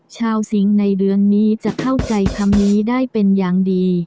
สิ่งในเดือนนี้จะเข้าใจคำนี้ได้เป็นอย่างดี